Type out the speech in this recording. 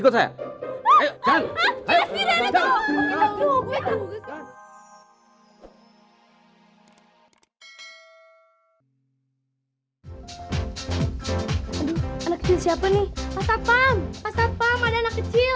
pasar pam pasar pam ada anak kecil